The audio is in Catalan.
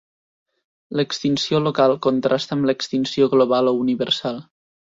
L'extinció local contrasta amb l'extinció global o universal.